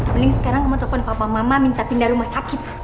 paling sekarang kamu telpon papa mama minta pindah rumah sakit